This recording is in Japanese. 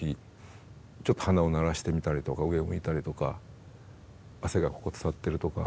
ちょっと鼻を鳴らしてみたりとか上を向いたりとか汗がここ伝ってるとか。